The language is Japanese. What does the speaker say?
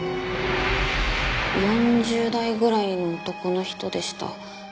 ４０代ぐらいの男の人でした。